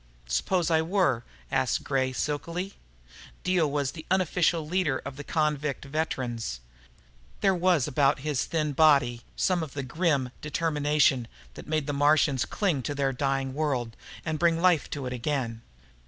"Suppose I were?" asked Gray silkily. Dio was the unofficial leader of the convict veterans. There was about his thin body and hatchet face some of the grim determination that had made the Martians cling to their dying world and bring life to it again.